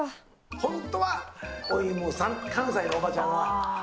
本当はお芋さん、関西のおばちゃんは。